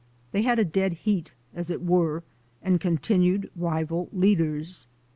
They had run a dead heat, as it were, and continued rival leaders.